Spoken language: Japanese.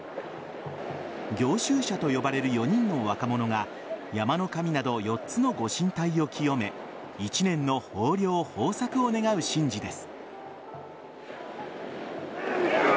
行修者と呼ばれる４人の若者が山の神など４つのご神体を清め１年の豊漁豊作を願う神事です。